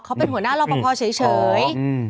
เขาเป็นหัวหน้ารับประพรเฉย